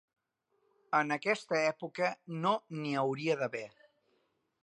En aquesta època no n'hi hauria d'haver!